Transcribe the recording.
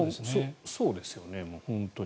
そうですよね、本当に。